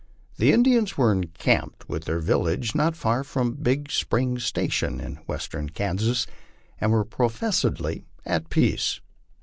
The Indians were encamped with their village not far from Big Spring station, in western Kansas, and were professedly at peace.